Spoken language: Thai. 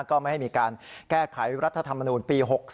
ก็ไม่ให้มีการแก้ไขรัฐธรรมนูลปี๖๒